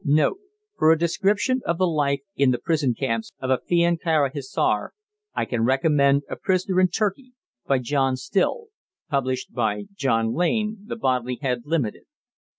N.B. For a description of the life in the prison camps of Afion Kara Hissar, I can recommend A Prisoner in Turkey, by John Still (published by John Lane The Bodley Head Ltd.).